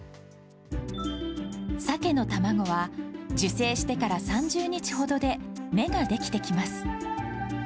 サケの卵は、受精してから３０日ほどで目が出来てきます。